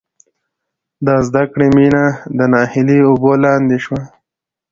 د زدکړې مینه د ناهیلۍ اوبو لاندې شوه